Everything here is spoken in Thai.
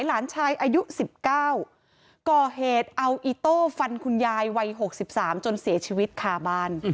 หลานชายอายุ๑๙ก่อเหตุเอาอิโต้ฟันคุณยายวัย๖๓จนเสียชีวิตคาบ้าน